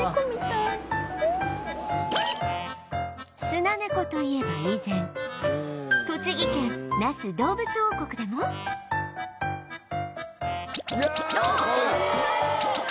スナネコといえば以前栃木県那須どうぶつ王国でもいやあ！あっかわいい！